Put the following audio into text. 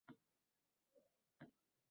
Qarshi qudrat yo’q edi.